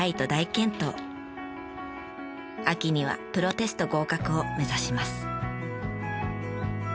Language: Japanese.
秋にはプロテスト合格を目指します。